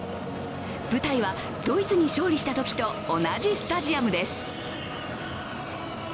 舞台はドイツに勝利したときと同じスタジアムです。